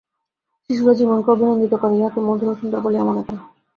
শিশুরা জীবনকে অভিনন্দিত করে, ইহাকে মধুর ও সুন্দর বলিয়া মনে করে।